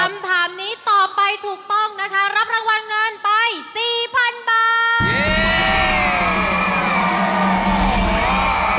คำถามนี้ตอบไปถูกต้องนะคะรับรางวัลเงินไป๔๐๐๐บาท